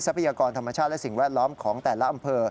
พยากรธรรมชาติและสิ่งแวดล้อมของแต่ละอำเภอ